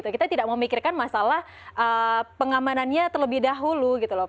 kita tidak memikirkan masalah pengamanannya terlebih dahulu